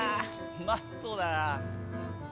うまそうだな！